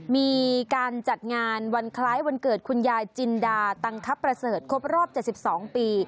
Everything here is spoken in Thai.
มีการจัดงานวันคล้ายวันเกิดคุณยายจินดาตังคประเสริฐครบรอบ๗๒ปี